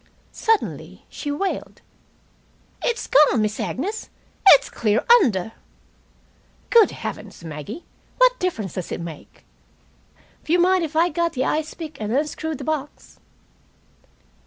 Suddenly she wailed: "It's gone, Miss Agnes. It's clear under!" "Good heavens, Maggie! What difference does it make?" "W'you mind if I got the ice pick and unscrewed the box?"